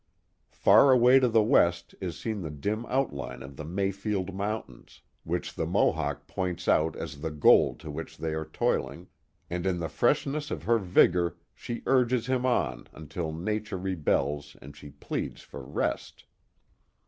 Far away to the west is seen the dim outline of the Mayfield Legend of Mrs. Ross 245 Mountains, which the Mohawk points out as the goal to which they are toiling, and in the freshness of her vigor she urges him on until nature rebels and she pleads for rest.